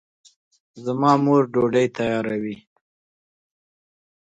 زما مور ډوډۍ تیاروي